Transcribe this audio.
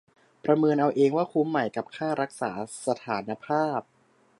ประเมินเอาเองว่าคุ้มไหมกับค่ารักษาสภานภาพ